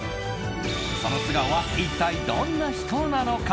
その素顔は一体どんな人なのか。